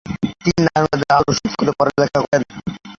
তিনি নারায়ণগঞ্জের আদর্শ স্কুলে পড়ালেখা করেন।